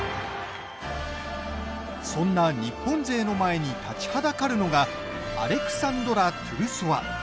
そんな日本勢の前に立ちはだかるのがアレクサンドラ・トゥルソワ。